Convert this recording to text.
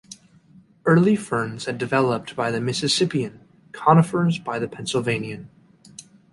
Early ferns had developed by the Mississippian, conifers by the Pennsylvanian.